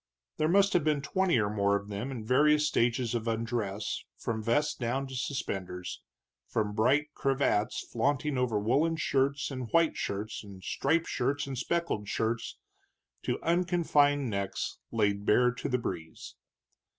There must have been twenty or more of them, in various stages of undress from vest down to suspenders, from bright cravats flaunting over woolen shirts and white shirts, and striped shirts and speckled shirts, to unconfined necks laid bare to the breeze.